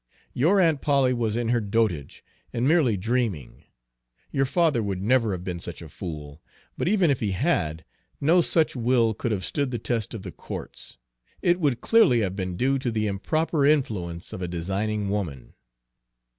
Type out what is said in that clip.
"Your Aunt Polly was in her dotage, and merely dreaming. Your father would never have been such a fool; but even if he had, no such will could have stood the test of the courts. It would clearly have been due to the improper influence of a designing woman."